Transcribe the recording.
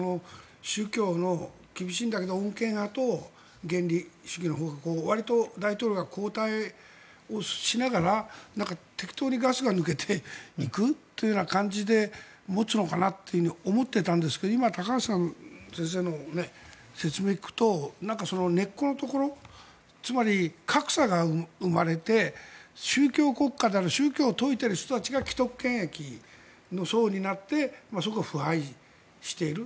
宗教は厳しいんだけど穏健派と原理主義のほうがわりと大統領が交代しながら適当にガスが抜けていくという感じで持つのかなって思っていたんですが今、高橋先生の説明を聞くと根っこのところつまり格差が生まれて宗教国家である宗教を説いている人たちが既得権益の層になってそこが腐敗している。